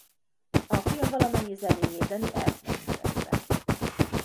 A film valamennyi zenéjét Danny Elfman szerezte.